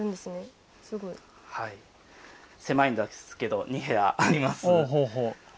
狭いんですけど２部屋あります。